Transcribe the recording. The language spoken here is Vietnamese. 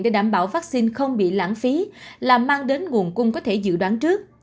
để đảm bảo vắc xin không bị lãng phí là mang đến nguồn cung có thể dự đoán trước